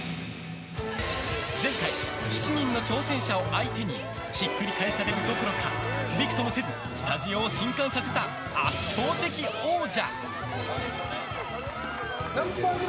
前回、７人の挑戦者を相手にひっくり返されるどころかびくともせず、スタジオを震撼させた圧倒的王者。